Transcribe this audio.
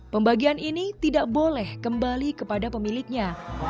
pembagian ini tidak boleh kembali kepada pemiliknya